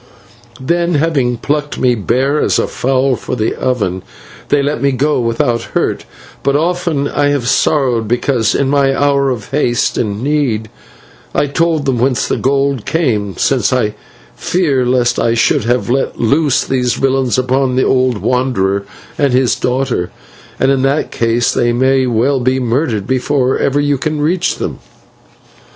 "Then, having plucked me bare as a fowl for the oven, they let me go without hurt, but often I have sorrowed because, in my hour of haste and need, I told them whence the gold came, since I fear lest I should have let loose these villains upon the old wanderer and his daughter, and in that case they may well be murdered before ever you can reach them."